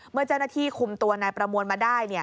เมื่อเจ้าหน้าที่คุมตัวนายประมวลมาได้